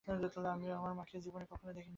আমি আমার মাকে দেখিনি।